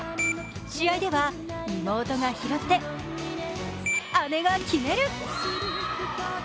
試合では妹が拾って、姉が決める。